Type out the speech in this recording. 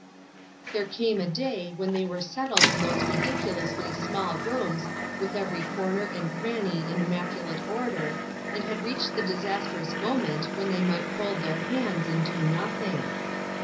There came a day when they were settled in those ridiculously small rooms, with every corner and cranny in immaculate order, and 46 INTERRUPTED. had reached the disastrous moment when they might fold their hands and do nothing.